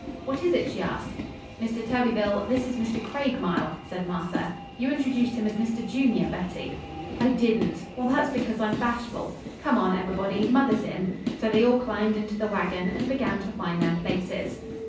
"What is it?" she asked. "Mr. Thurbyfil, this is Mr. Craigmile," said Martha. "You introduced him as Mr. Junior, Betty." "I didn't! Well, that's because I'm bashful. Come on, everybody, mother's in." So they all climbed into the wagon and began to find their places.